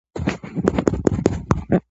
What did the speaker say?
ჩაწერილი აქვს მრავალი დისკი.